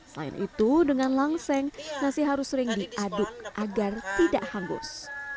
selain itu dengan langseng nasi harus sering diaduk agar tidak hangus